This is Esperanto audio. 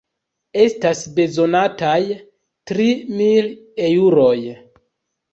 Estas bezonataj tri mil eŭroj.